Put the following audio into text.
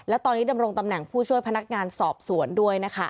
และตอนนี้ดำรงตำแหน่งผู้ช่วยพนักงานสอบสวนด้วยนะคะ